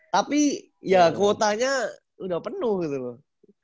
tapi ya kuotanya udah penuh gitu loh